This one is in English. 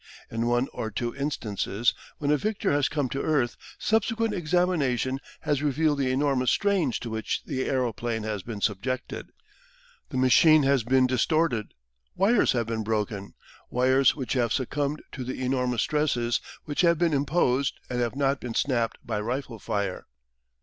In one or two instances, when a victor has come to earth, subsequent examination has revealed the enormous strains to which the aeroplane has been subjected. The machine has been distorted; wires have been broken wires which have succumbed to the enormous stresses which have been imposed and have not been snapped by rifle fire.